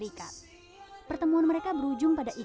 siapa kamu sebenarnya